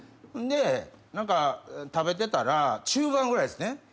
で何か食べてたら中盤ぐらいですね